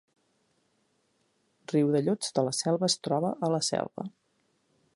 Riudellots de la Selva es troba a la Selva